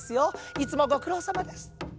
いつもごくろうさまです。